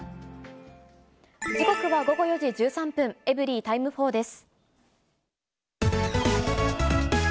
時刻は午後４時１３分、エブリィタイム４です。